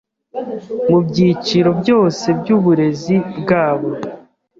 mu byiciro byose by’uburezi bwabo,